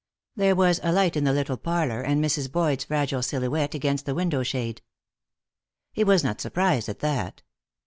There was a light in the little parlor, and Mrs. Boyd's fragile silhouette against the window shade. He was not surprised at that.